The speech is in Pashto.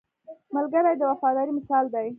ملګری د وفادارۍ مثال دی